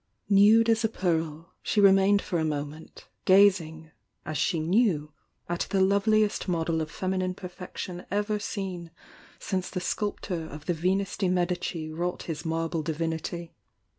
Nude as a pearl, she remained for a inoment, gazing, as she knew, at the loveliest model of femmine perfection ever seen since the sculptor of the Venus de Medici wrought his marble divinity.